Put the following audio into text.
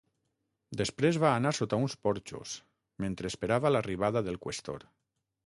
Després va anar sota uns porxos mentre esperava l'arribada del qüestor.